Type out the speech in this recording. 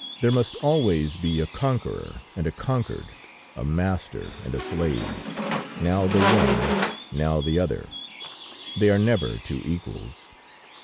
There must always be a conqueror and a conquered, a master and a slave; now the one, now the other they are never two equals.